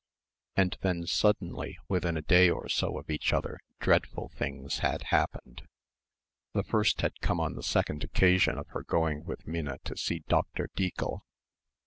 And then, suddenly, within a day or so of each other, dreadful things had happened. The first had come on the second occasion of her going with Minna to see Dr. Dieckel.